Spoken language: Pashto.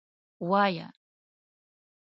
وایه.